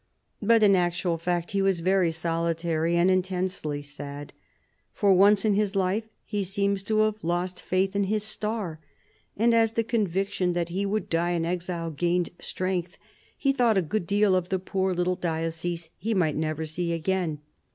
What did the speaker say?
But in actual fact he was very solitary and intensely sad. For once in his life he seems to have lost faith in his star, and as the conviction that he would die in exile gained strength, he thought a good deal of the poor little diocese he might never see again.